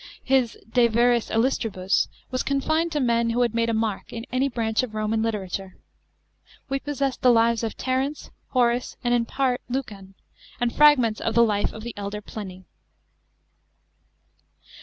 His De viris illustribus was confined to men who had made a mark in any branch of Roman literature. We possess the lives of Terence, Horace, and, in part, of Lucan, and fragments of the life of the elder Pliny.